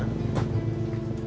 siska itu bukan nama asli